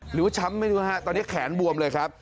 หรือว่าช้ำไม่รู้ครับตอนนี้แขนบวมเลยครับ